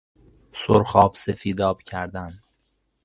سرخاب سفیداب کردن